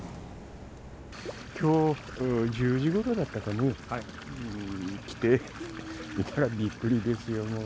きょう１０時ごろだったかね、来て、見たらびっくりですよ、もう。